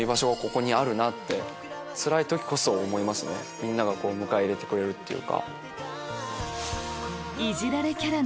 みんなが迎え入れてくれるっていうか。